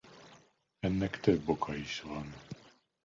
Ennek több oka is van.